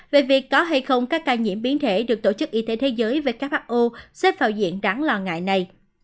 về việc có hay không các ca nhiễm biến thể được tổ chức y tế thế giới who xếp vào diện đáng lo ngại này